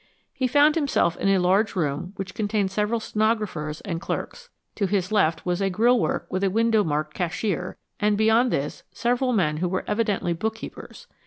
He found himself in a large room which contained several stenographers and clerks. To his left was a grill work with a window marked, "Cashier," and beyond this, several men who were evidently bookkeepers.